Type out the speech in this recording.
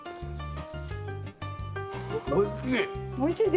おいしい！